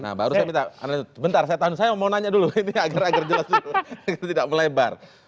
nah baru saya minta bentar saya tahun saya mau nanya dulu ini agar agar jelas dulu tidak melebar